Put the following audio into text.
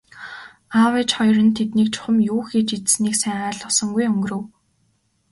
Аав ээж хоёр нь тэднийг чухам юу хийж идсэнийг сайн ойлгосонгүй өнгөрөв.